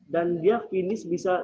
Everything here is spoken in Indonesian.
dan dia finish bisa